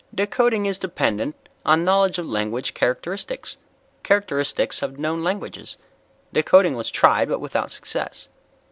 Decoding is dependent on knowledge of language characteristics characteristics of known languages. Decoding was tried, but without success.